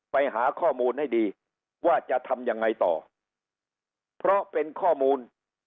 ไปหาข้อมูลให้ดีว่าจะทำยังไงต่อเพราะเป็นข้อมูล